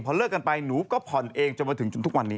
พอเลิกกันไปหนูก็ผ่อนเองจนมาถึงจนทุกวันนี้